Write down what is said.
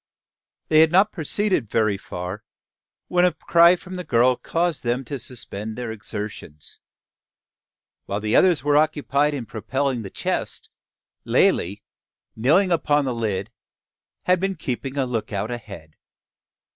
They had not proceeded very far, when a cry from the girl caused them to suspend their exertions. While the others were occupied in propelling the chest, Lalee, kneeling upon the lid, had been keeping a lookout ahead.